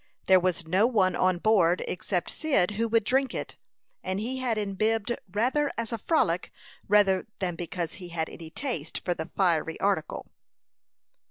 There was no one on board, except Cyd, who would drink it; and he had imbibed rather as a frolic than because he had any taste for the fiery article.